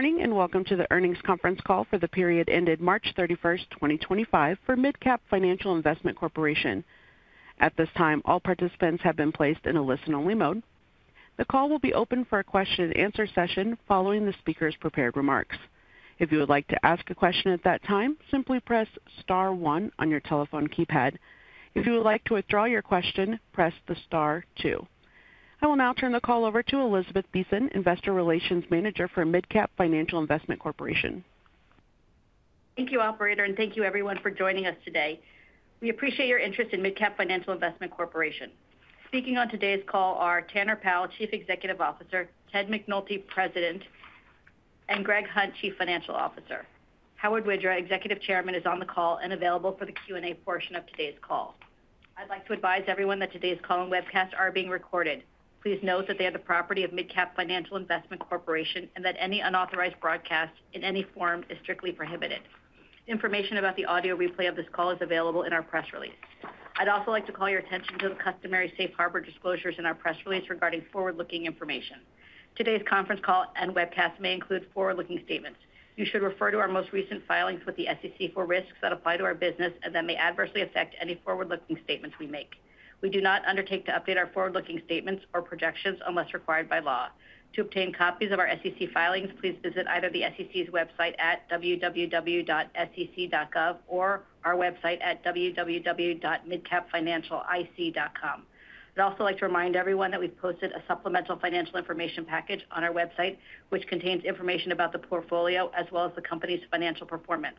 Morning and welcome to the earnings conference call for the period ended March 31, 2025, for MidCap Financial Investment Corporation. At this time, all participants have been placed in a listen-only mode. The call will be open for a question-and-answer session following the speaker's prepared remarks. If you would like to ask a question at that time, simply press star one on your telephone keypad. If you would like to withdraw your question, press the star two. I will now turn the call over to Elizabeth Besen, Investor Relations Manager for MidCap Financial Investment Corporation. Thank you, Operator, and thank you, everyone, for joining us today. We appreciate your interest in MidCap Financial Investment Corporation. Speaking on today's call are Tanner Powell, Chief Executive Officer; Ted McNulty, President; and Greg Hunt, Chief Financial Officer. Howard Widra, Executive Chairman, is on the call and available for the Q&A portion of today's call. I'd like to advise everyone that today's call and webcast are being recorded. Please note that they are the property of MidCap Financial Investment Corporation and that any unauthorized broadcast in any form is strictly prohibited. Information about the audio replay of this call is available in our press release. I'd also like to call your attention to the customary safe harbor disclosures in our press release regarding forward-looking information. Today's conference call and webcast may include forward-looking statements. You should refer to our most recent filings with the SEC for risks that apply to our business and that may adversely affect any forward-looking statements we make. We do not undertake to update our forward-looking statements or projections unless required by law. To obtain copies of our SEC filings, please visit either the SEC's website at www.sec.gov or our website at www.midcapfinancialic.com. I'd also like to remind everyone that we've posted a supplemental financial information package on our website, which contains information about the portfolio as well as the company's financial performance.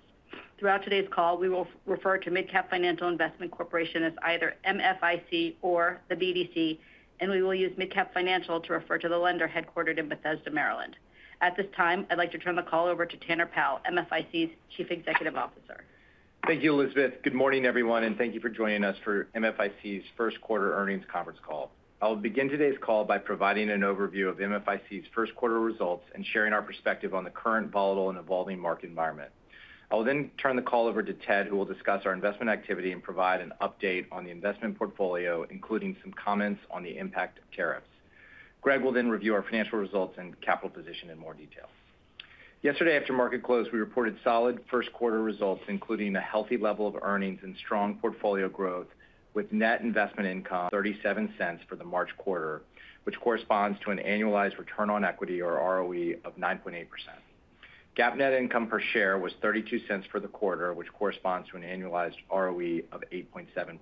Throughout today's call, we will refer to MidCap Financial Investment Corporation as either MFIC or the BDC, and we will use MidCap Financial to refer to the lender headquartered in Bethesda, Maryland. At this time, I'd like to turn the call over to Tanner Powell, MFIC's Chief Executive Officer. Thank you, Elizabeth. Good morning, everyone, and thank you for joining us for MFIC's first quarter earnings conference call. I'll begin today's call by providing an overview of MFIC's first quarter results and sharing our perspective on the current volatile and evolving market environment. I will then turn the call over to Ted, who will discuss our investment activity and provide an update on the investment portfolio, including some comments on the impact of tariffs. Greg will then review our financial results and capital position in more detail. Yesterday, after market close, we reported solid first quarter results, including a healthy level of earnings and strong portfolio growth, with net investment income of $0.37 for the March quarter, which corresponds to an annualized return on equity, or ROE, of 9.8%. GAAP net income per share was $0.32 for the quarter, which corresponds to an annualized ROE of 8.7%.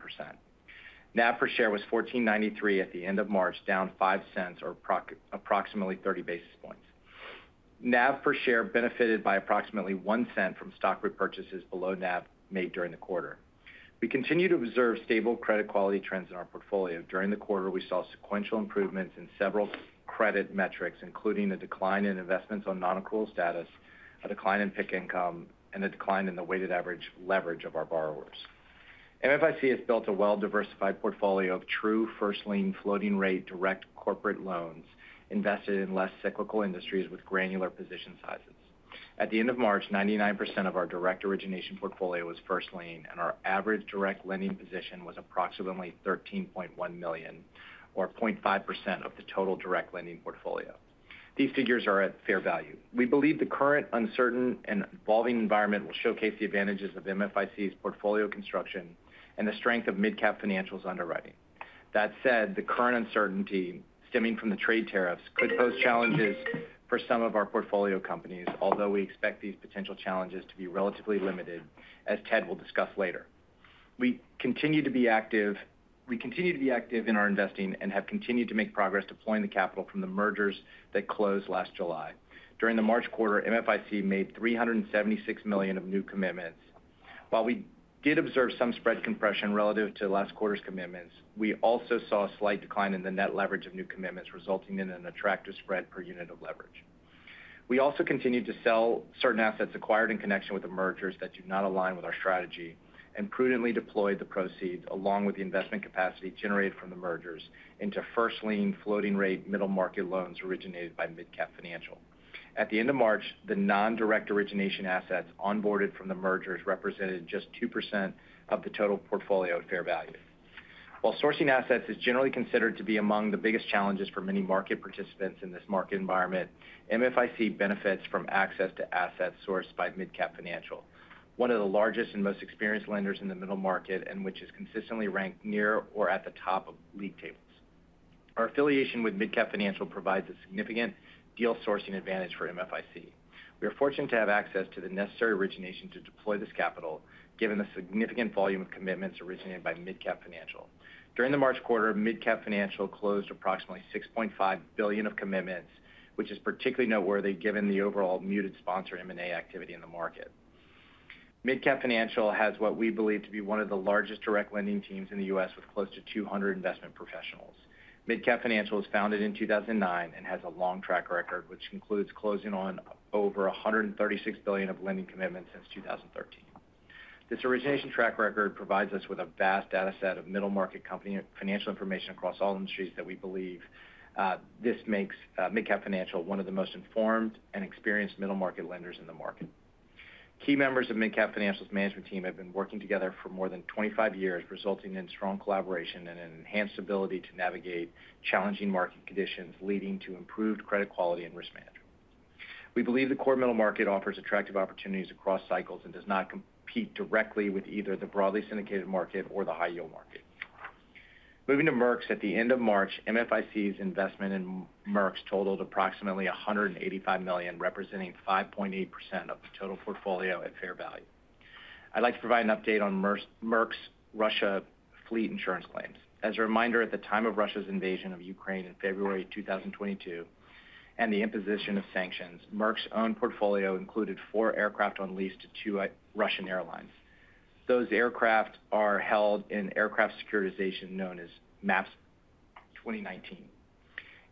NAV per share was $14.93 at the end of March, down $0.05, or approximately 30 basis points. NAV per share benefited by approximately $0.01 from stock repurchases below NAV made during the quarter. We continue to observe stable credit quality trends in our portfolio. During the quarter, we saw sequential improvements in several credit metrics, including a decline in investments on non-accrual status, a decline in PIC income, and a decline in the weighted average leverage of our borrowers. MFIC has built a well-diversified portfolio of true first lien, floating rate direct corporate loans invested in less cyclical industries with granular position sizes. At the end of March, 99% of our direct origination portfolio was first lien, and our average direct lending position was approximately $13.1 million, or 0.5% of the total direct lending portfolio. These figures are at fair value. We believe the current uncertain and evolving environment will showcase the advantages of MFIC's portfolio construction and the strength of MidCap Financial's underwriting. That said, the current uncertainty stemming from the trade tariffs could pose challenges for some of our portfolio companies, although we expect these potential challenges to be relatively limited, as Ted will discuss later. We continue to be active in our investing and have continued to make progress deploying the capital from the mergers that closed last July. During the March quarter, MFIC made $376 million of new commitments. While we did observe some spread compression relative to last quarter's commitments, we also saw a slight decline in the net leverage of new commitments, resulting in an attractive spread per unit of leverage. We also continued to sell certain assets acquired in connection with the mergers that do not align with our strategy and prudently deployed the proceeds, along with the investment capacity generated from the mergers, into first lien, floating rate, middle market loans originated by MidCap Financial. At the end of March, the non-direct origination assets onboarded from the mergers represented just 2% of the total portfolio at fair value. While sourcing assets is generally considered to be among the biggest challenges for many market participants in this market environment, MFIC benefits from access to assets sourced by MidCap Financial, one of the largest and most experienced lenders in the middle market and which is consistently ranked near or at the top of league tables. Our affiliation with MidCap Financial provides a significant deal sourcing advantage for MFIC. We are fortunate to have access to the necessary origination to deploy this capital, given the significant volume of commitments originated by MidCap Financial. During the March quarter, MidCap Financial closed approximately $6.5 billion of commitments, which is particularly noteworthy given the overall muted sponsor M&A activity in the market. MidCap Financial has what we believe to be one of the largest direct lending teams in the U.S., with close to 200 investment professionals. MidCap Financial was founded in 2009 and has a long track record, which includes closing on over $136 billion of lending commitments since 2013. This origination track record provides us with a vast data set of middle market financial information across all industries that we believe makes MidCap Financial one of the most informed and experienced middle market lenders in the market. Key members of MidCap Financial's management team have been working together for more than 25 years, resulting in strong collaboration and an enhanced ability to navigate challenging market conditions, leading to improved credit quality and risk management. We believe the core middle market offers attractive opportunities across cycles and does not compete directly with either the broadly syndicated market or the high-yield market. Moving to Merck's, at the end of March, MFIC's investment in Merck's totaled approximately $185 million, representing 5.8% of the total portfolio at fair value. I'd like to provide an update on Merck's Russia fleet insurance claims. As a reminder, at the time of Russia's invasion of Ukraine in February 2022 and the imposition of sanctions, Merck's own portfolio included four aircraft on lease to two Russian airlines. Those aircraft are held in aircraft securitization known as MAPS 2019.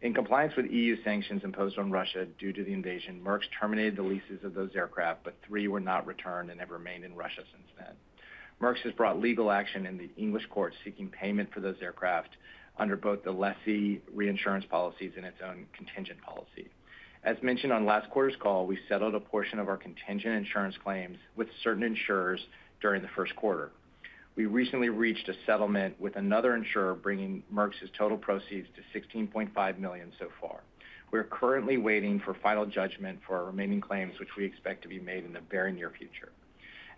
In compliance with EU sanctions imposed on Russia due to the invasion, Merck's terminated the leases of those aircraft, but three were not returned and have remained in Russia since then. Merck's has brought legal action in the English court seeking payment for those aircraft under both the less reinsurance policies and its own contingent policy. As mentioned on last quarter's call, we settled a portion of our contingent insurance claims with certain insurers during the first quarter. We recently reached a settlement with another insurer, bringing Merck's total proceeds to $16.5 million so far. We are currently waiting for final judgment for our remaining claims, which we expect to be made in the very near future.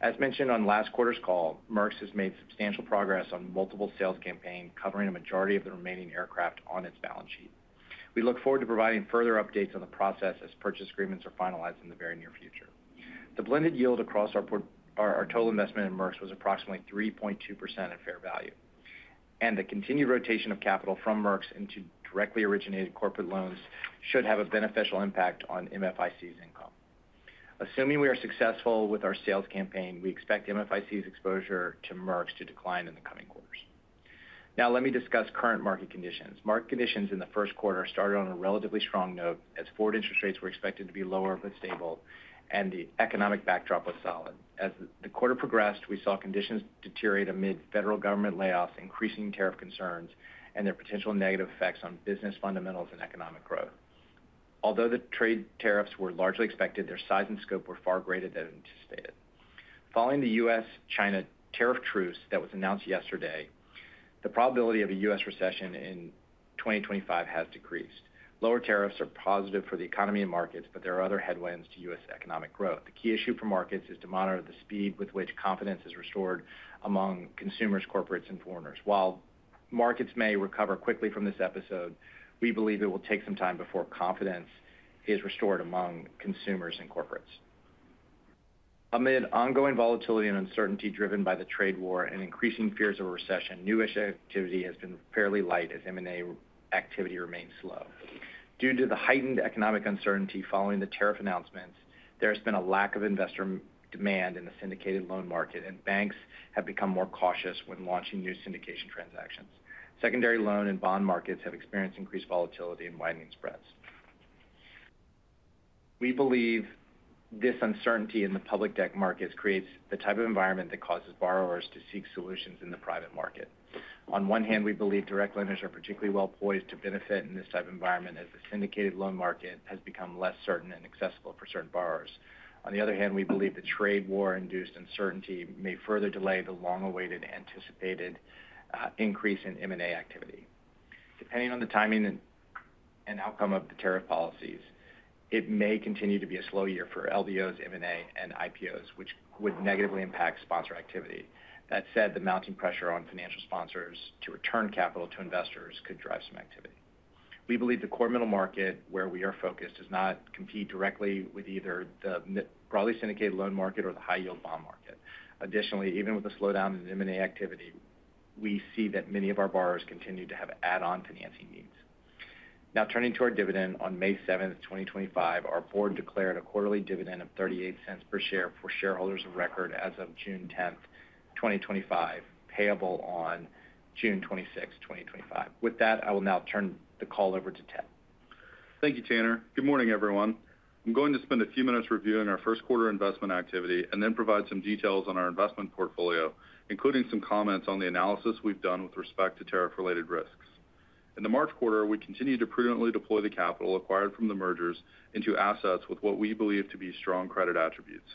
As mentioned on last quarter's call, Merck's has made substantial progress on multiple sales campaigns, covering a majority of the remaining aircraft on its balance sheet. We look forward to providing further updates on the process as purchase agreements are finalized in the very near future. The blended yield across our total investment in Merck's was approximately 3.2% at fair value, and the continued rotation of capital from Merck's into directly originated corporate loans should have a beneficial impact on MFIC's income. Assuming we are successful with our sales campaign, we expect MFIC's exposure to Merck's to decline in the coming quarters. Now, let me discuss current market conditions. Market conditions in the first quarter started on a relatively strong note, as forward interest rates were expected to be lower but stable, and the economic backdrop was solid. As the quarter progressed, we saw conditions deteriorate amid federal government layoffs, increasing tariff concerns, and their potential negative effects on business fundamentals and economic growth. Although the trade tariffs were largely expected, their size and scope were far greater than anticipated. Following the U.S.-China tariff truce that was announced yesterday, the probability of a U.S. recession in 2025 has decreased. Lower tariffs are positive for the economy and markets, but there are other headwinds to U.S. economic growth. The key issue for markets is to monitor the speed with which confidence is restored among consumers, corporates, and foreigners. While markets may recover quickly from this episode, we believe it will take some time before confidence is restored among consumers and corporates. Amid ongoing volatility and uncertainty driven by the trade war and increasing fears of a recession, newish activity has been fairly light as M&A activity remains slow. Due to the heightened economic uncertainty following the tariff announcements, there has been a lack of investor demand in the syndicated loan market, and banks have become more cautious when launching new syndication transactions. Secondary loan and bond markets have experienced increased volatility and widening spreads. We believe this uncertainty in the public debt markets creates the type of environment that causes borrowers to seek solutions in the private market. On one hand, we believe direct lenders are particularly well poised to benefit in this type of environment as the syndicated loan market has become less certain and accessible for certain borrowers. On the other hand, we believe the trade war-induced uncertainty may further delay the long-awaited anticipated increase in M&A activity. Depending on the timing and outcome of the tariff policies, it may continue to be a slow year for LDOs, M&A, and IPOs, which would negatively impact sponsor activity. That said, the mounting pressure on financial sponsors to return capital to investors could drive some activity. We believe the core middle market where we are focused does not compete directly with either the broadly syndicated loan market or the high-yield bond market. Additionally, even with the slowdown in M&A activity, we see that many of our borrowers continue to have add-on financing needs. Now, turning to our dividend, on May 7, 2025, our board declared a quarterly dividend of $0.38 per share for shareholders of record as of June 10, 2025, payable on June 26, 2025. With that, I will now turn the call over to Ted. Thank you, Tanner. Good morning, everyone. I'm going to spend a few minutes reviewing our first quarter investment activity and then provide some details on our investment portfolio, including some comments on the analysis we've done with respect to tariff-related risks. In the March quarter, we continued to prudently deploy the capital acquired from the mergers into assets with what we believe to be strong credit attributes.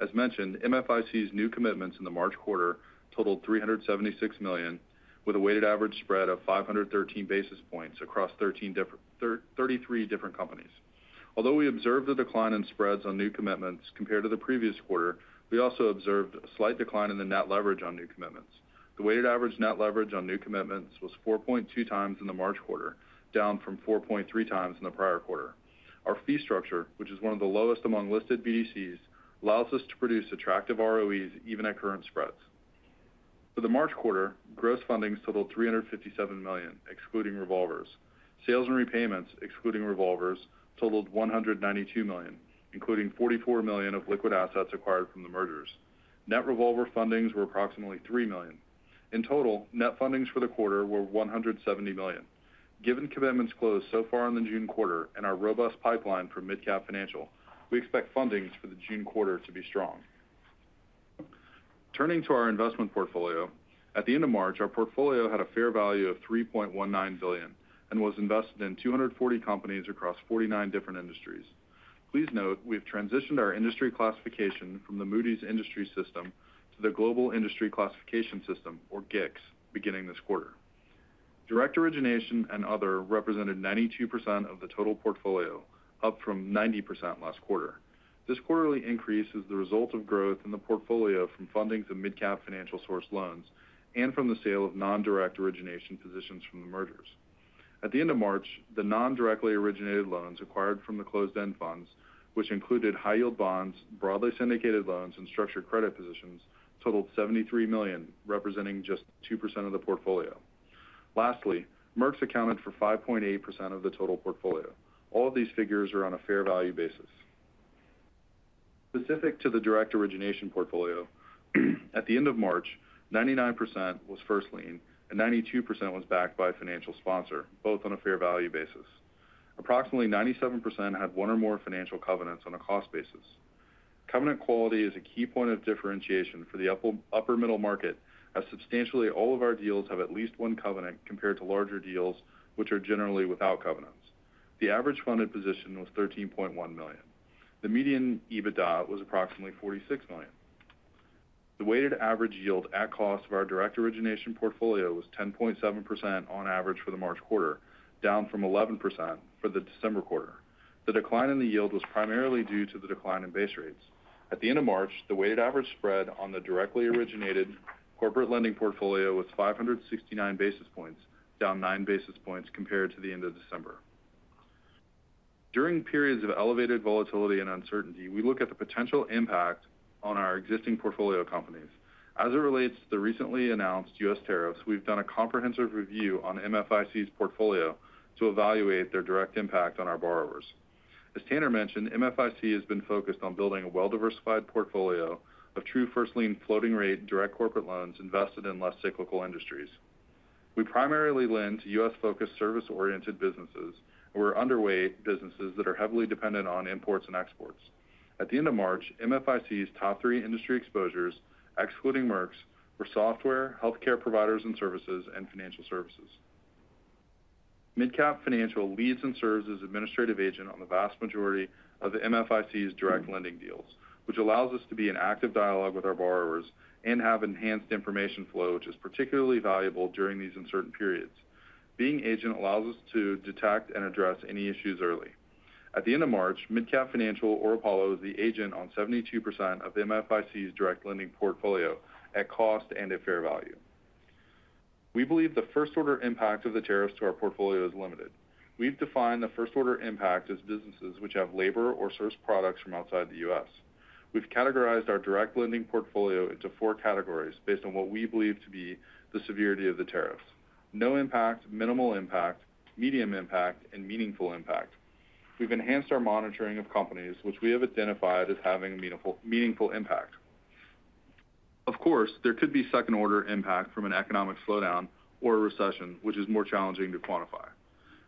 As mentioned, MFIC's new commitments in the March quarter totaled $376 million, with a weighted average spread of 513 basis points across 33 different companies. Although we observed a decline in spreads on new commitments compared to the previous quarter, we also observed a slight decline in the net leverage on new commitments. The weighted average net leverage on new commitments was 4.2 times in the March quarter, down from 4.3 times in the prior quarter. Our fee structure, which is one of the lowest among listed BDCs, allows us to produce attractive ROEs even at current spreads. For the March quarter, gross fundings totaled $357 million, excluding revolvers. Sales and repayments, excluding revolvers, totaled $192 million, including $44 million of liquid assets acquired from the mergers. Net revolver fundings were approximately $3 million. In total, net fundings for the quarter were $170 million. Given commitments closed so far in the June quarter and our robust pipeline for MidCap Financial, we expect fundings for the June quarter to be strong. Turning to our investment portfolio, at the end of March, our portfolio had a fair value of $3.19 billion and was invested in 240 companies across 49 different industries. Please note we have transitioned our industry classification from the Moody's Industry System to the Global Industry Classification Standard, or GICS, beginning this quarter. Direct origination and other represented 92% of the total portfolio, up from 90% last quarter. This quarterly increase is the result of growth in the portfolio from fundings of MidCap Financial-sourced loans and from the sale of non-direct origination positions from the mergers. At the end of March, the non-directly originated loans acquired from the closed-end funds, which included high-yield bonds, broadly syndicated loans, and structured credit positions, totaled $73 million, representing just 2% of the portfolio. Lastly, Merck's accounted for 5.8% of the total portfolio. All of these figures are on a fair value basis. Specific to the direct origination portfolio, at the end of March, 99% was first lien and 92% was backed by a financial sponsor, both on a fair value basis. Approximately 97% had one or more financial covenants on a cost basis. Covenant quality is a key point of differentiation for the upper middle market, as substantially all of our deals have at least one covenant compared to larger deals, which are generally without covenants. The average funded position was $13.1 million. The median EBITDA was approximately $46 million. The weighted average yield at cost of our direct origination portfolio was 10.7% on average for the March quarter, down from 11% for the December quarter. The decline in the yield was primarily due to the decline in base rates. At the end of March, the weighted average spread on the directly originated corporate lending portfolio was 569 basis points, down 9 basis points compared to the end of December. During periods of elevated volatility and uncertainty, we look at the potential impact on our existing portfolio companies. As it relates to the recently announced U.S. tariffs, we've done a comprehensive review on MFIC's portfolio to evaluate their direct impact on our borrowers. As Tanner mentioned, MFIC has been focused on building a well-diversified portfolio of true first lien, floating rate, direct corporate loans invested in less cyclical industries. We primarily lend to U.S.-focused service-oriented businesses who are underweight businesses that are heavily dependent on imports and exports. At the end of March, MFIC's top three industry exposures, excluding Merck's, were software, healthcare providers and services, and financial services. MidCap Financial leads and serves as administrative agent on the vast majority of MFIC's direct lending deals, which allows us to be in active dialogue with our borrowers and have enhanced information flow, which is particularly valuable during these uncertain periods. Being agent allows us to detect and address any issues early. At the end of March, MidCap Financial, or Apollo, is the agent on 72% of MFIC's direct lending portfolio at cost and at fair value. We believe the first-order impact of the tariffs to our portfolio is limited. We've defined the first-order impact as businesses which have labor or source products from outside the U.S. We've categorized our direct lending portfolio into four categories based on what we believe to be the severity of the tariffs: no impact, minimal impact, medium impact, and meaningful impact. We've enhanced our monitoring of companies, which we have identified as having a meaningful impact. Of course, there could be second-order impact from an economic slowdown or a recession, which is more challenging to quantify.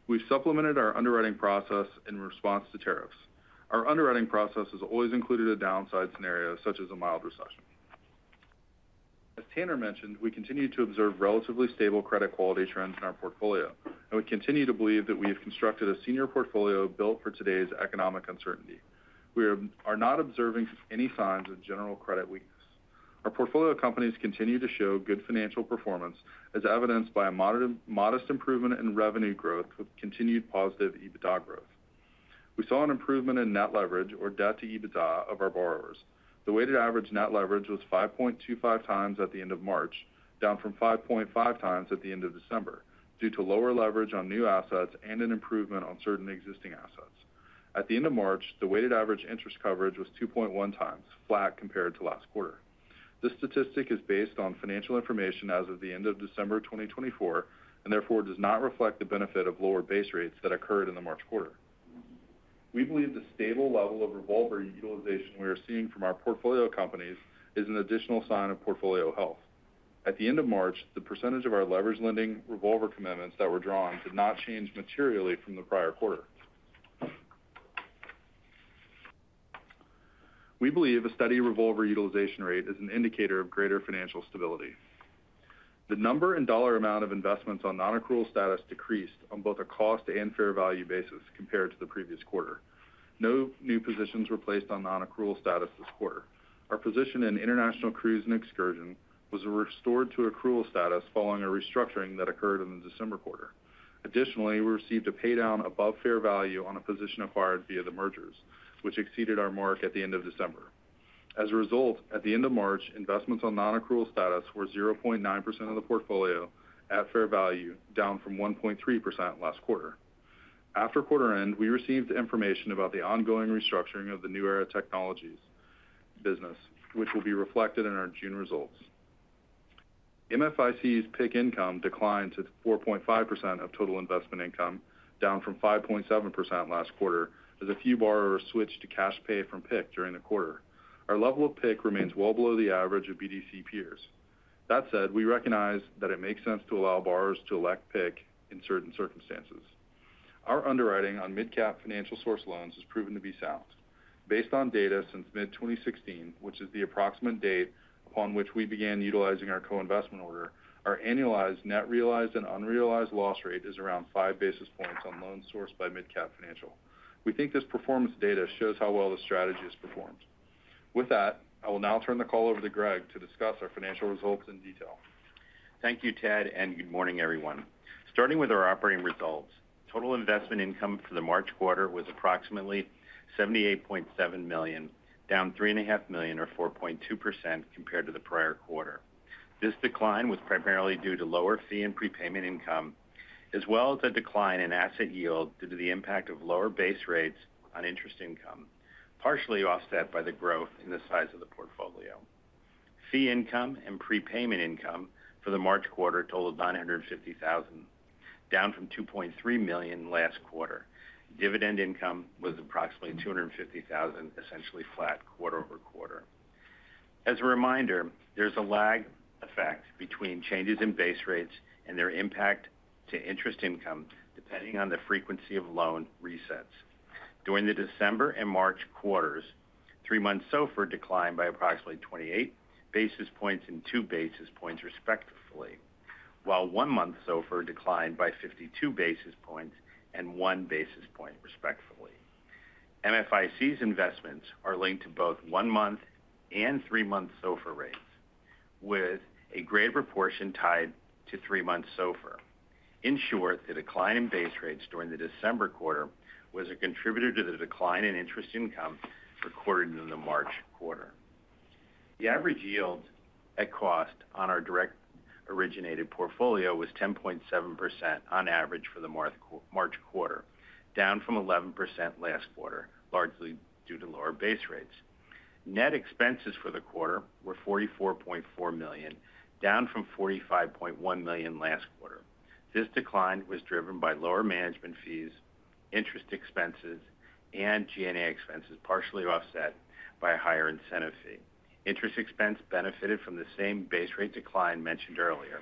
We've supplemented our underwriting process in response to tariffs. Our underwriting process has always included a downside scenario, such as a mild recession. As Tanner mentioned, we continue to observe relatively stable credit quality trends in our portfolio, and we continue to believe that we have constructed a senior portfolio built for today's economic uncertainty. We are not observing any signs of general credit weakness. Our portfolio companies continue to show good financial performance, as evidenced by a modest improvement in revenue growth with continued positive EBITDA growth. We saw an improvement in net leverage, or debt to EBITDA, of our borrowers. The weighted average net leverage was 5.25 times at the end of March, down from 5.5 times at the end of December, due to lower leverage on new assets and an improvement on certain existing assets. At the end of March, the weighted average interest coverage was 2.1 times, flat compared to last quarter. This statistic is based on financial information as of the end of December 2024 and therefore does not reflect the benefit of lower base rates that occurred in the March quarter. We believe the stable level of revolver utilization we are seeing from our portfolio companies is an additional sign of portfolio health. At the end of March, the percentage of our leverage lending revolver commitments that were drawn did not change materially from the prior quarter. We believe a steady revolver utilization rate is an indicator of greater financial stability. The number and dollar amount of investments on non-accrual status decreased on both a cost and fair value basis compared to the previous quarter. No new positions were placed on non-accrual status this quarter. Our position in International Cruise and Excursion was restored to accrual status following a restructuring that occurred in the December quarter. Additionally, we received a paydown above fair value on a position acquired via the mergers, which exceeded our mark at the end of December. As a result, at the end of March, investments on non-accrual status were 0.9% of the portfolio at fair value, down from 1.3% last quarter. After quarter end, we received information about the ongoing restructuring of the New Era Technologies business, which will be reflected in our June results. MFIC's PIC income declined to 4.5% of total investment income, down from 5.7% last quarter, as a few borrowers switched to cash pay from PIC during the quarter. Our level of PIC remains well below the average of BDC peers. That said, we recognize that it makes sense to allow borrowers to elect PIC in certain circumstances. Our underwriting on MidCap Financial-sourced loans has proven to be sound. Based on data since mid-2016, which is the approximate date upon which we began utilizing our co-investment order, our annualized net realized and unrealized loss rate is around five basis points on loans sourced by MidCap Financial. We think this performance data shows how well the strategy has performed. With that, I will now turn the call over to Greg to discuss our financial results in detail. Thank you, Ted, and good morning, everyone. Starting with our operating results, total investment income for the March quarter was approximately $78.7 million, down $3.5 million, or 4.2%, compared to the prior quarter. This decline was primarily due to lower fee and prepayment income, as well as a decline in asset yield due to the impact of lower base rates on interest income, partially offset by the growth in the size of the portfolio. Fee income and prepayment income for the March quarter totaled $950,000, down from $2.3 million last quarter. Dividend income was approximately $250,000, essentially flat quarter over quarter. As a reminder, there is a lag effect between changes in base rates and their impact to interest income depending on the frequency of loan resets. During the December and March quarters, three-month SOFR declined by approximately 28 basis points and two basis points respectively, while one-month SOFR declined by 52 basis points and one basis point respectively. MFIC's investments are linked to both one-month and three-month SOFR rates, with a great proportion tied to three-month SOFR. In short, the decline in base rates during the December quarter was a contributor to the decline in interest income recorded in the March quarter. The average yield at cost on our direct originated portfolio was 10.7% on average for the March quarter, down from 11% last quarter, largely due to lower base rates. Net expenses for the quarter were $44.4 million, down from $45.1 million last quarter. This decline was driven by lower management fees, interest expenses, and G&A expenses, partially offset by a higher incentive fee. Interest expense benefited from the same base rate decline mentioned earlier,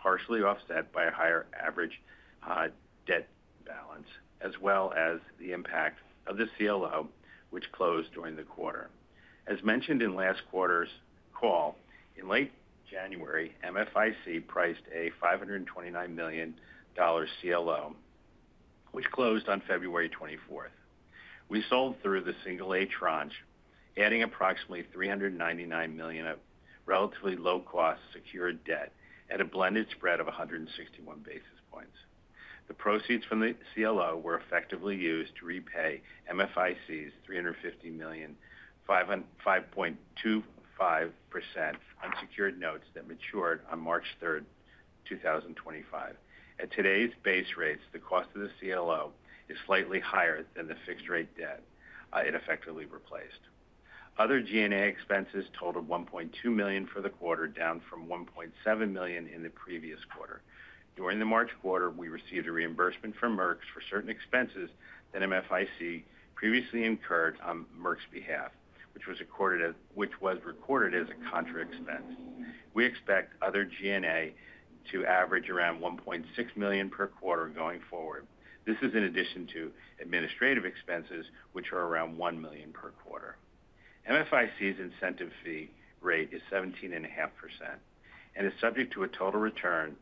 partially offset by a higher average debt balance, as well as the impact of the CLO, which closed during the quarter. As mentioned in last quarter's call, in late January, MFIC priced a $529 million CLO, which closed on February 24th. We sold through the single-H tranche, adding approximately $399 million of relatively low-cost secured debt at a blended spread of 161 basis points. The proceeds from the CLO were effectively used to repay MFIC's $350 million, 5.25% unsecured notes that matured on March 3rd, 2025. At today's base rates, the cost of the CLO is slightly higher than the fixed-rate debt it effectively replaced. Other G&A expenses totaled $1.2 million for the quarter, down from $1.7 million in the previous quarter. During the March quarter, we received a reimbursement from Merck's for certain expenses that MFIC previously incurred on Merck's behalf, which was recorded as a contra expense. We expect other G&A to average around $1.6 million per quarter going forward. This is in addition to administrative expenses, which are around $1 million per quarter. MFIC's incentive fee rate is 17.5% and is subject to a total return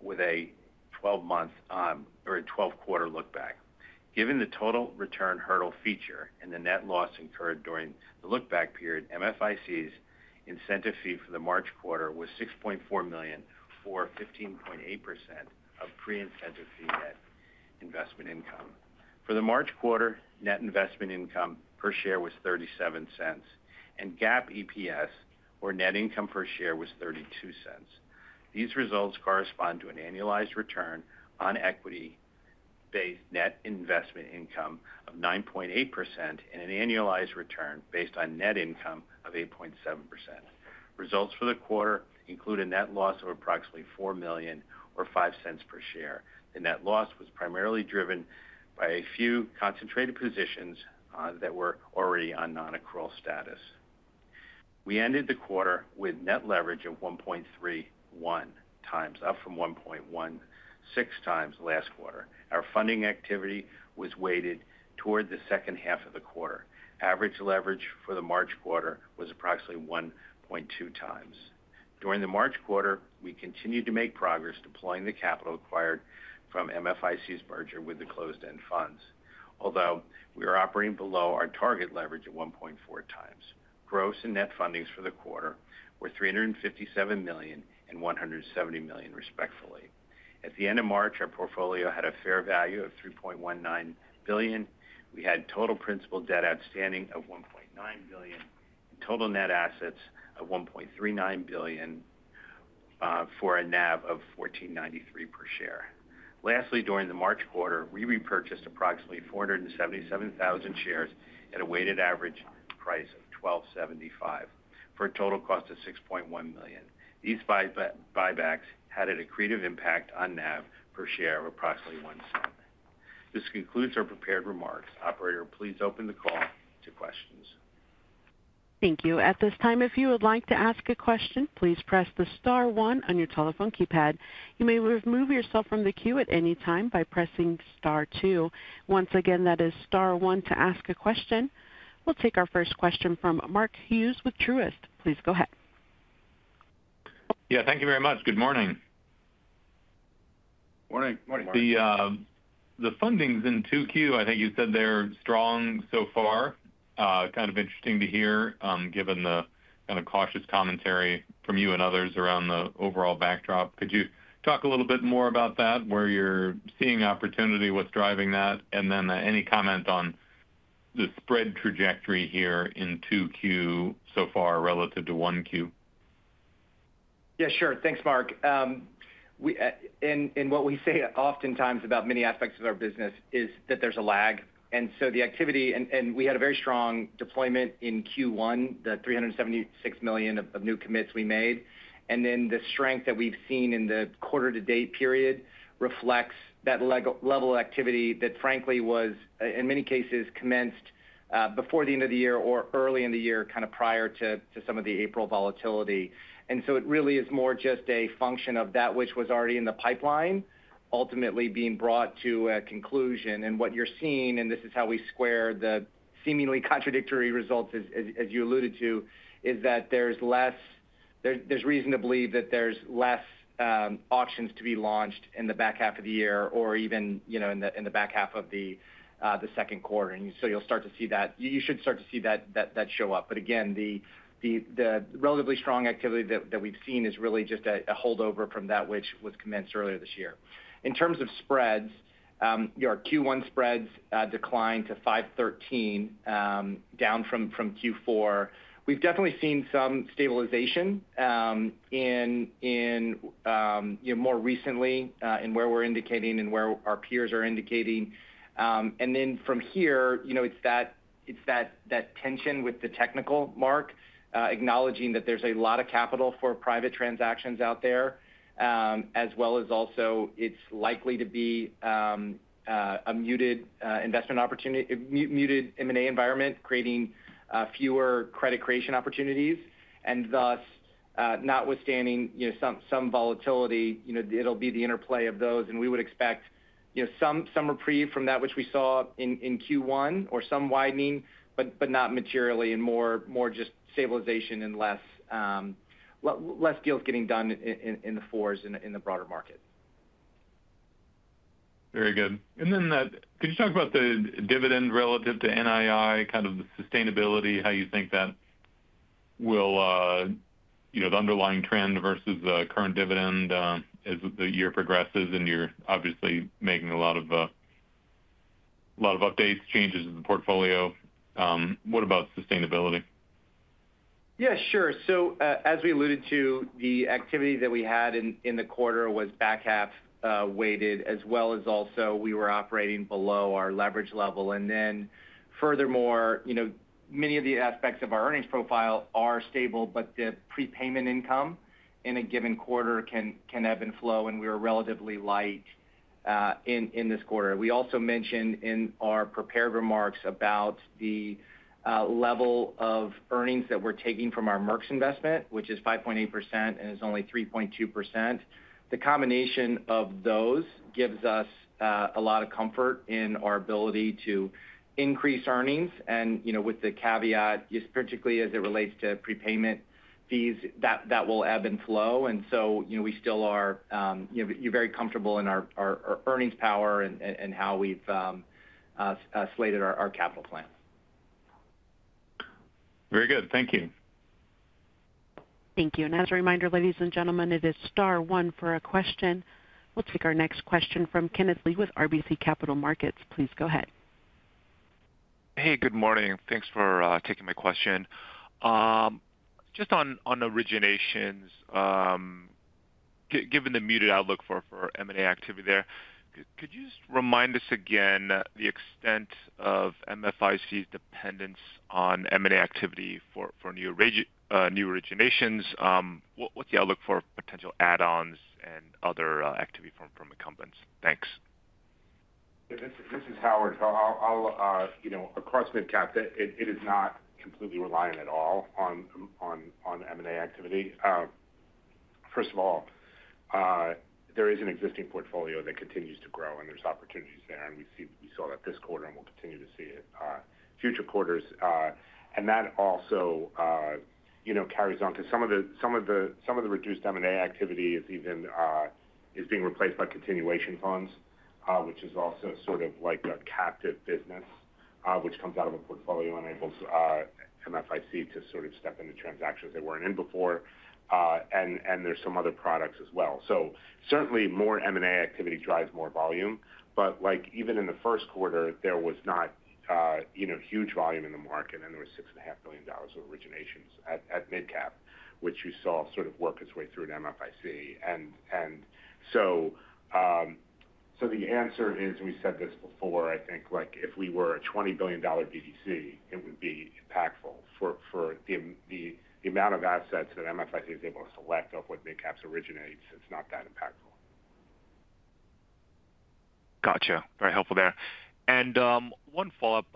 with a 12-quarter lookback. Given the total return hurdle feature and the net loss incurred during the lookback period, MFIC's incentive fee for the March quarter was $6.4 million, or 15.8% of pre-incentive fee net investment income. For the March quarter, net investment income per share was $0.37, and GAAP EPS, or net income per share, was $0.32. These results correspond to an annualized return on equity-based net investment income of 9.8% and an annualized return based on net income of 8.7%. Results for the quarter include a net loss of approximately $4 million, or $0.05 per share. The net loss was primarily driven by a few concentrated positions that were already on non-accrual status. We ended the quarter with net leverage of 1.31 times, up from 1.16 times last quarter. Our funding activity was weighted toward the second half of the quarter. Average leverage for the March quarter was approximately 1.2 times. During the March quarter, we continued to make progress deploying the capital acquired from MFIC's merger with the closed-end funds, although we were operating below our target leverage of 1.4 times. Gross and net fundings for the quarter were $357 million and $170 million, respectively. At the end of March, our portfolio had a fair value of $3.19 billion. We had total principal debt outstanding of $1.9 billion and total net assets of $1.39 billion for a NAV of $14.93 per share. Lastly, during the March quarter, we repurchased approximately 477,000 shares at a weighted average price of $12.75 for a total cost of $6.1 million. These buybacks had a creative impact on NAV per share of approximately $0.01. This concludes our prepared remarks. Operator, please open the call to questions. Thank you. At this time, if you would like to ask a question, please press the star one on your telephone keypad. You may remove yourself from the queue at any time by pressing star two. Once again, that is star one to ask a question. We'll take our first question from Mark Hughes with Truist. Please go ahead. Yeah, thank you very much. Good morning. Morning. Morning. The fundings in 2Q, I think you said they're strong so far. Kind of interesting to hear, given the kind of cautious commentary from you and others around the overall backdrop. Could you talk a little bit more about that, where you're seeing opportunity, what's driving that, and then any comment on the spread trajectory here in 2Q so far relative to 1Q? Yeah, sure. Thanks, Mark. In what we say oftentimes about many aspects of our business is that there's a lag. The activity, and we had a very strong deployment in Q1, the $376 million of new commits we made. The strength that we've seen in the quarter-to-date period reflects that level of activity that, frankly, was, in many cases, commenced before the end of the year or early in the year, kind of prior to some of the April volatility. It really is more just a function of that which was already in the pipeline ultimately being brought to a conclusion. What you are seeing, and this is how we square the seemingly contradictory results, as you alluded to, is that there is reason to believe that there are fewer auctions to be launched in the back half of the year or even in the back half of the second quarter. You will start to see that. You should start to see that show up. Again, the relatively strong activity that we have seen is really just a holdover from that which was commenced earlier this year. In terms of spreads, your Q1 spreads declined to $5.13, down from Q4. We have definitely seen some stabilization more recently in where we are indicating and where our peers are indicating. From here, it's that tension with the technical mark, acknowledging that there's a lot of capital for private transactions out there, as well as also it's likely to be a muted M&A environment, creating fewer credit creation opportunities, and thus, notwithstanding some volatility, it'll be the interplay of those. We would expect some reprieve from that which we saw in Q1 or some widening, but not materially and more just stabilization and less deals getting done in the fours in the broader market. Very good. Could you talk about the dividend relative to NII, kind of the sustainability, how you think that will, the underlying trend versus the current dividend as the year progresses? You are obviously making a lot of updates, changes in the portfolio. What about sustainability? Yeah, sure. As we alluded to, the activity that we had in the quarter was back half weighted, as well as also we were operating below our leverage level. Furthermore, many of the aspects of our earnings profile are stable, but the prepayment income in a given quarter can ebb and flow, and we were relatively light in this quarter. We also mentioned in our prepared remarks about the level of earnings that we're taking from our Merck's investment, which is 5.8% and is only 3.2%. The combination of those gives us a lot of comfort in our ability to increase earnings, with the caveat, particularly as it relates to prepayment fees, that will ebb and flow. We still are very comfortable in our earnings power and how we've slated our capital plan. Very good. Thank you. Thank you. As a reminder, ladies and gentlemen, it is star one for a question. We'll take our next question from Kenneth Lee with RBC Capital Markets. Please go ahead. Hey, good morning. Thanks for taking my question. Just on originations, given the muted outlook for M&A activity there, could you just remind us again the extent of MFIC's dependence on M&A activity for new originations? What's the outlook for potential add-ons and other activity from incumbents? Thanks. This is Howard. Across MidCap, it is not completely reliant at all on M&A activity. First of all, there is an existing portfolio that continues to grow, and there are opportunities there. We saw that this quarter and will continue to see it in future quarters. That also carries on because some of the reduced M&A activity is being replaced by continuation funds, which is also sort of like a captive business, which comes out of a portfolio and enables MFIC to sort of step into transactions they were not in before. There are some other products as well. Certainly, more M&A activity drives more volume. Even in the first quarter, there was not huge volume in the market, and there was $6.5 billion of originations at MidCap, which you saw sort of work its way through to MFIC. The answer is, and we said this before, I think if we were a $20 billion BDC, it would be impactful. For the amount of assets that MFIC is able to select off what MidCap originates, it is not that impactful. Gotcha. Very helpful there. One follow-up,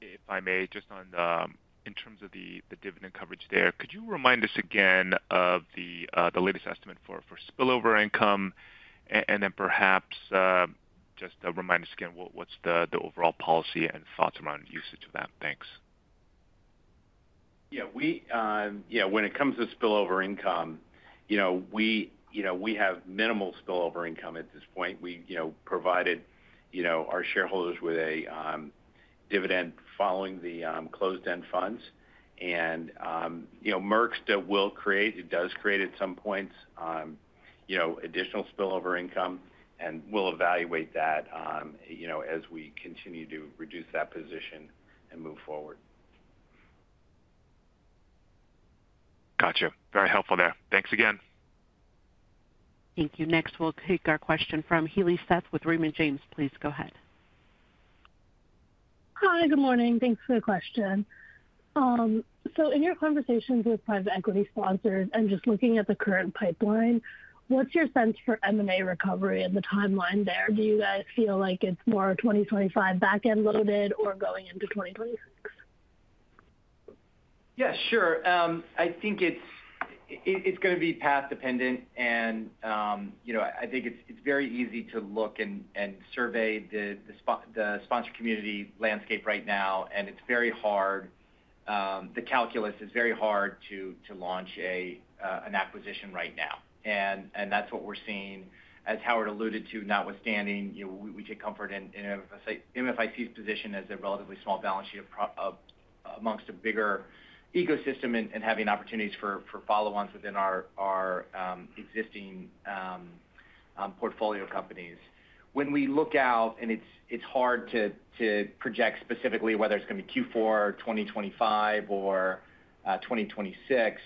if I may, just in terms of the dividend coverage there. Could you remind us again of the latest estimate for spillover income? Could you remind us again what's the overall policy and thoughts around usage of that? Thanks. Yeah. Yeah. When it comes to spillover income, we have minimal spillover income at this point. We provided our shareholders with a dividend following the closed-end funds. And Merck's will create, it does create at some points, additional spillover income, and we'll evaluate that as we continue to reduce that position and move forward. Gotcha. Very helpful there. Thanks again. Thank you. Next, we'll take our question from Haley Shift with Raymond James. Please go ahead. Hi, good morning. Thanks for the question. In your conversations with private equity sponsors and just looking at the current pipeline, what's your sense for M&A recovery and the timeline there? Do you guys feel like it's more 2025 back-end loaded or going into 2026? Yeah, sure. I think it's going to be path-dependent, and I think it's very easy to look and survey the sponsor community landscape right now, and it's very hard. The calculus is very hard to launch an acquisition right now. That's what we're seeing, as Howard alluded to, notwithstanding we take comfort in MFIC's position as a relatively small balance sheet amongst a bigger ecosystem and having opportunities for follow-ons within our existing portfolio companies. When we look out, and it's hard to project specifically whether it's going to be Q4, 2025, or 2026,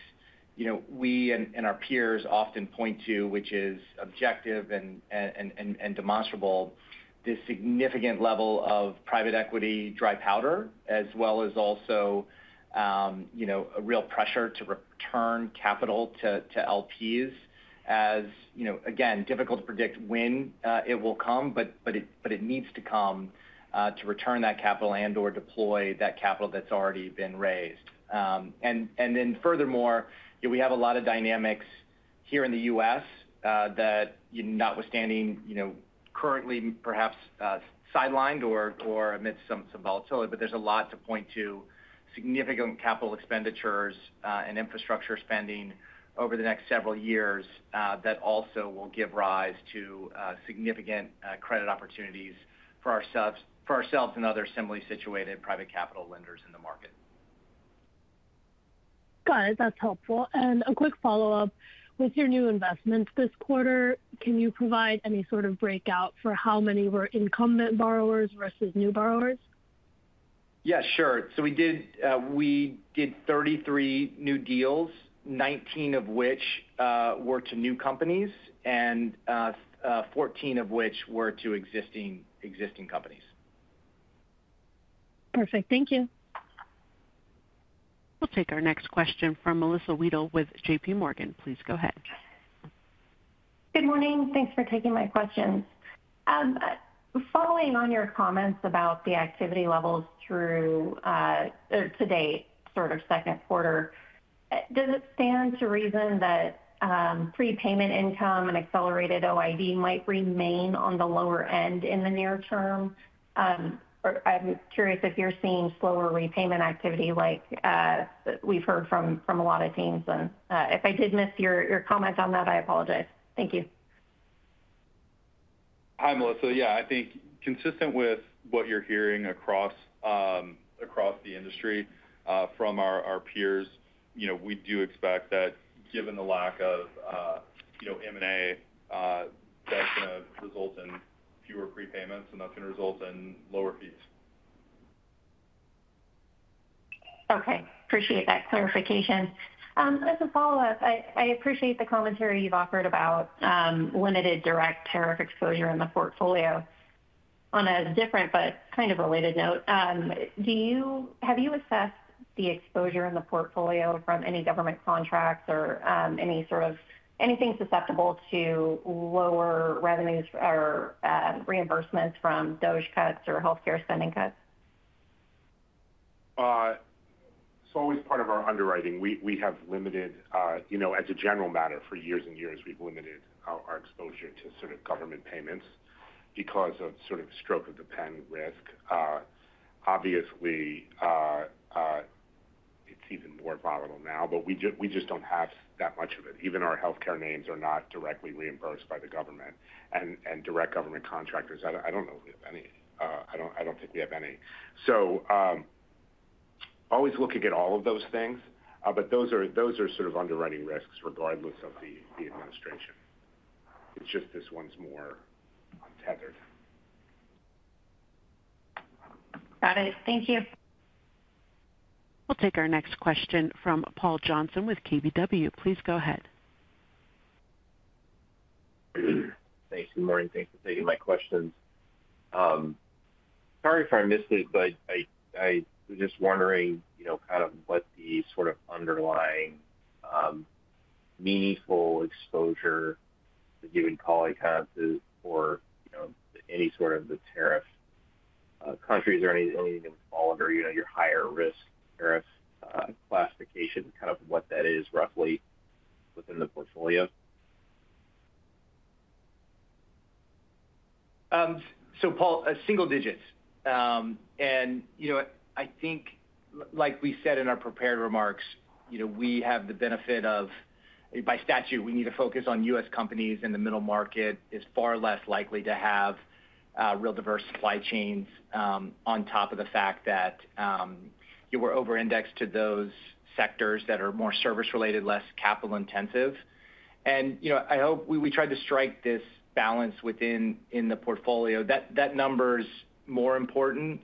we and our peers often point to, which is objective and demonstrable, the significant level of private equity dry powder, as well as also a real pressure to return capital to LPs, as, again, difficult to predict when it will come, but it needs to come to return that capital and/or deploy that capital that's already been raised. Furthermore, we have a lot of dynamics here in the U.S. that, notwithstanding currently perhaps sidelined or amidst some volatility, but there's a lot to point to significant capital expenditures and infrastructure spending over the next several years that also will give rise to significant credit opportunities for ourselves and other similarly situated private capital lenders in the market. Got it. That's helpful. A quick follow-up. With your new investments this quarter, can you provide any sort of breakout for how many were incumbent borrowers versus new borrowers? Yeah, sure. So we did 33 new deals, 19 of which were to new companies and 14 of which were to existing companies. Perfect. Thank you. We'll take our next question from Melissa Wedel with JPMorgan. Please go ahead. Good morning. Thanks for taking my questions. Following on your comments about the activity levels to date, sort of second quarter, does it stand to reason that prepayment income and accelerated OID might remain on the lower end in the near term? I'm curious if you're seeing slower repayment activity like we've heard from a lot of teams. If I did miss your comment on that, I apologize. Thank you. Hi, Melissa. Yeah, I think consistent with what you're hearing across the industry from our peers, we do expect that given the lack of M&A, that's going to result in fewer prepayments, and that's going to result in lower fees. Okay. Appreciate that clarification. As a follow-up, I appreciate the commentary you've offered about limited direct tariff exposure in the portfolio. On a different but kind of related note, have you assessed the exposure in the portfolio from any government contracts or any sort of anything susceptible to lower revenues or reimbursements from DoD cuts or healthcare spending cuts? It's always part of our underwriting. We have limited, as a general matter, for years and years, we've limited our exposure to sort of government payments because of sort of stroke-of-the-pen risk. Obviously, it's even more volatile now, but we just don't have that much of it. Even our healthcare names are not directly reimbursed by the government and direct government contractors. I don't know if we have any. I don't think we have any. Always looking at all of those things, but those are sort of underwriting risks regardless of the administration. It's just this one's more untethered. Got it. Thank you. We'll take our next question from Paul Johnson with KBW. Please go ahead. Thanks. Good morning. Thanks for taking my questions. Sorry if I missed it, but I was just wondering kind of what the sort of underlying meaningful exposure that you would call accounts or any sort of the tariff countries or anything that would fall under your higher risk tariff classification, kind of what that is roughly within the portfolio. Paul, single digits. Like we said in our prepared remarks, we have the benefit of, by statute, we need to focus on U.S. companies in the middle market. It's far less likely to have real diverse supply chains on top of the fact that we're over-indexed to those sectors that are more service-related, less capital-intensive. I hope we tried to strike this balance within the portfolio. That number's more important.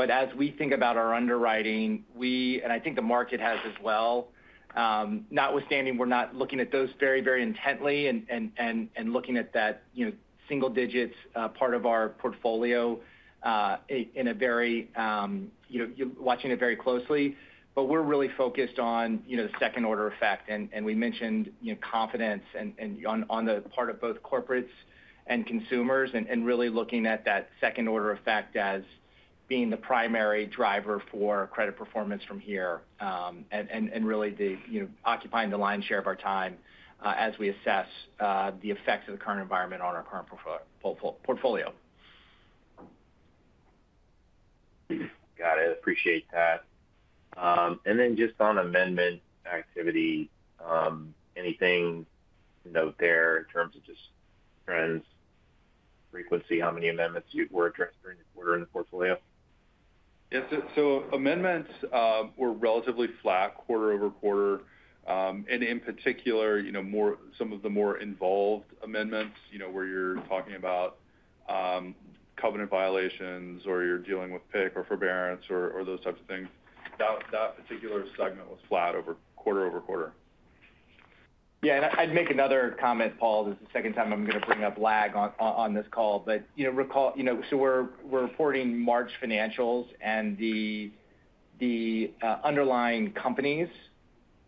As we think about our underwriting, and I think the market has as well, notwithstanding, we're not looking at those very, very intently and looking at that single digits part of our portfolio, watching it very closely. We're really focused on the second-order effect. We mentioned confidence on the part of both corporates and consumers and really looking at that second-order effect as being the primary driver for credit performance from here and really occupying the lion's share of our time as we assess the effects of the current environment on our current portfolio. Got it. Appreciate that. And then just on amendment activity, anything to note there in terms of just trends, frequency, how many amendments were addressed during the quarter in the portfolio? Yeah. Amendments were relatively flat quarter over quarter. In particular, some of the more involved amendments where you're talking about covenant violations or you're dealing with PIC or forbearance or those types of things, that particular segment was flat quarter over quarter. Yeah. I'd make another comment, Paul. This is the second time I'm going to bring up lag on this call. Recall, we're reporting March financials, and the underlying companies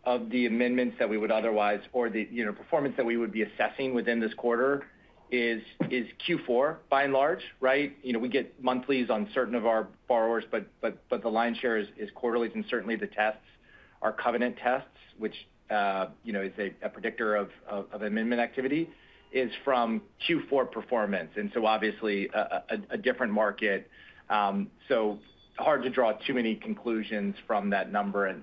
of the amendments that we would otherwise or the performance that we would be assessing within this quarter is Q4 by and large, right? We get monthlies on certain of our borrowers, but the lion's share is quarterlies. Certainly, the tests, our covenant tests, which is a predictor of amendment activity, is from Q4 performance. Obviously, a different market. Hard to draw too many conclusions from that number.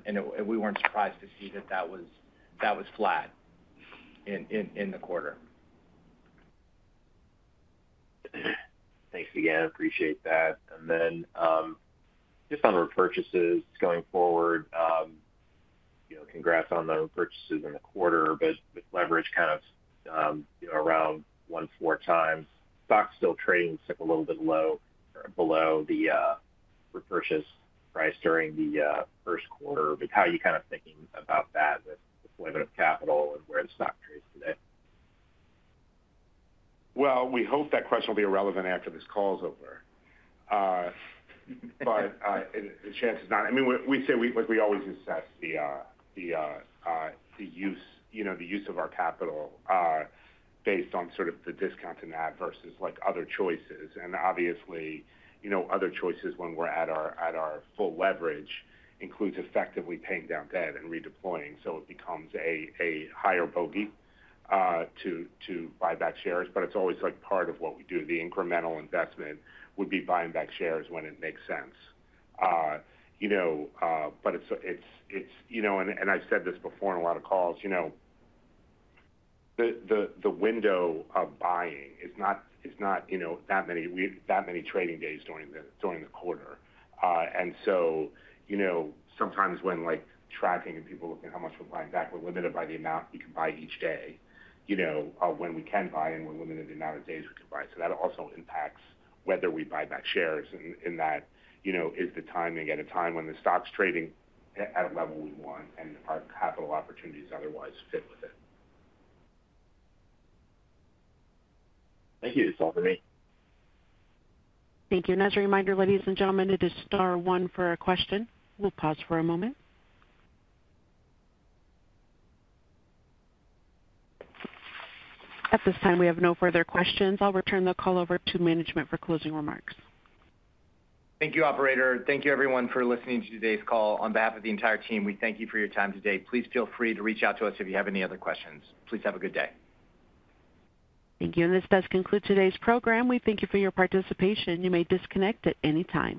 We weren't surprised to see that that was flat in the quarter. Thanks again. Appreciate that. And then just on repurchases going forward, congrats on the repurchases in the quarter, but with leverage kind of around 1.4 times. Stock still trading a little bit low below the repurchase price during the first quarter. But how are you kind of thinking about that, the deployment of capital and where the stock trades today? We hope that question will be irrelevant after this call is over. The chance is not. I mean, we always assess the use of our capital based on sort of the discount in that versus other choices. Obviously, other choices when we're at our full leverage includes effectively paying down debt and redeploying. It becomes a higher bogey to buy back shares. It's always part of what we do. The incremental investment would be buying back shares when it makes sense. I've said this before in a lot of calls, the window of buying is not that many trading days during the quarter. Sometimes when tracking and people look at how much we're buying back, we're limited by the amount we can buy each day when we can buy and we're limited in the amount of days we can buy. That also impacts whether we buy back shares in that is the timing at a time when the stock's trading at a level we want and our capital opportunities otherwise fit with it. Thank you. That's all for me. Thank you. As a reminder, ladies and gentlemen, it is Star One for a question. We will pause for a moment. At this time, we have no further questions. I will return the call over to management for closing remarks. Thank you, operator. Thank you, everyone, for listening to today's call. On behalf of the entire team, we thank you for your time today. Please feel free to reach out to us if you have any other questions. Please have a good day. Thank you. This does conclude today's program. We thank you for your participation. You may disconnect at any time.